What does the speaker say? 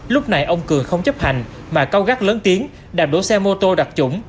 lúc này ông cường không chấp hành mà cao gắt lớn tiếng đạp đổ xe mô tô đặc trủng